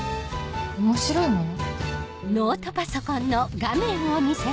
面白いもの？